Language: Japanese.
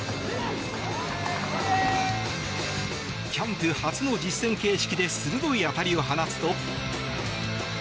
キャンプ初の実戦形式で鋭い当たりを放つと。